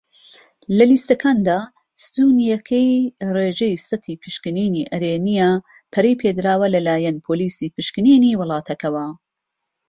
لە لیستەکاندا، ستوونیەکەی "ڕێژەی سەتی پشکنینی ئەرێنیە" پەرەی پێدراوە لەلایەن پۆلیسی پشکنینی وڵاتەکەوە.